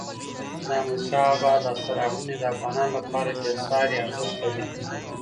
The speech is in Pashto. د احمد شاه بابا لاسته راوړني د افغانانو لپاره بېساری ارزښت لري.